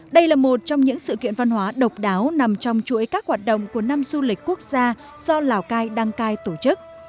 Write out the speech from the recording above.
đây là một trong những sự kiện văn hóa độc đáo nằm trong chuỗi các hoạt động của năm du lịch quốc gia do lào cai đăng cai tổ chức